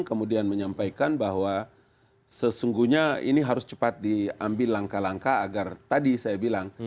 kemudian menyampaikan bahwa sesungguhnya ini harus cepat diambil langkah langkah agar tadi saya bilang